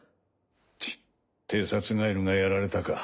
チッ偵察ガエルがやられたか。